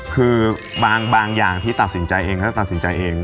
คือบางบางอย่างที่ตัดสินใจเองก็ตัดสินใจเองอ๋อ